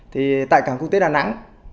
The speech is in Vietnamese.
thì tại cảng không quốc tế đà nẵng